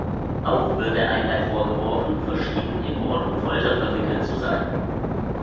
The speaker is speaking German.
Auch wird der Einheit vorgeworfen verschieden in Mord und Folter verwickelt zu sein.